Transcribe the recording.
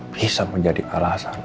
bisa menjadi alasan